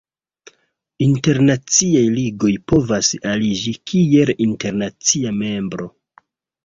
Internaciaj ligoj povas aliĝi kiel internacia membro.